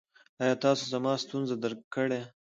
ایا تاسو زما ستونزه درک کړه؟